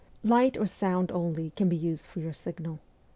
Light or sound only can be used for your signal.